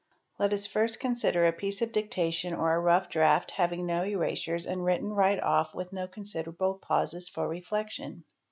Let us first consider a piece of ~ dictation or a rough draft having no erasures and written right off with no cons iderable pauses for reflection.